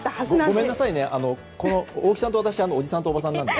ごめんなさいね大木さんと私はおじさんとおばさんなんで。